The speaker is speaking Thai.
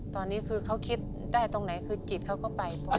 ตอนนี้คือเขาคิดได้ตรงไหนคือจิตเขาก็ไป